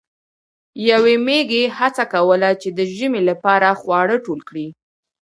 یوې میږی هڅه کوله چې د ژمي لپاره خواړه ټول کړي.